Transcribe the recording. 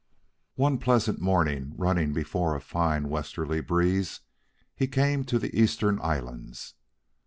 One pleasant morning, running before a fine westerly breeze, he came to the Eastern Islands.